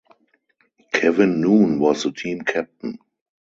Kevin Noone was the team captain.